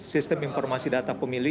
sistem informasi data pemilih